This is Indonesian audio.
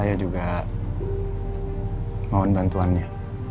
saya juga mohon bantuan ya